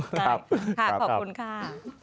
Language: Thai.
ใช่ค่ะขอบคุณค่ะ